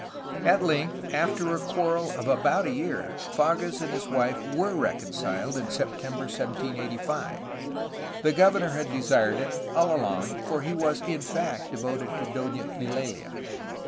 At length, after a quarrel of about a year, Fages and his wife were reconciled, in September 1785. The governor had desired it, all along, for he was in fact devoted to Dona Eulaha.